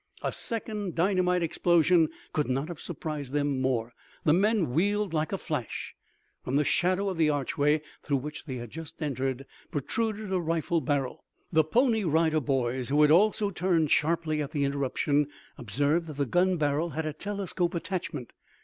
A second dynamite explosion could not have surprised them more. The men wheeled like a flash. From the shadow of the archway, through which they had just entered, protruded a rifle barrel. The Pony Rider Boys who had also turned sharply at the interruption, observed that the gun barrel had a telescope attachment.